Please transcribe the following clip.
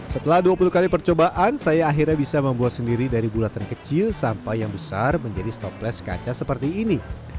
setelah dua puluh kali percobaan saya akhirnya bisa membuat sendiri dari bulatan kecil sampai yang besar menjadi stopless kaca seperti ini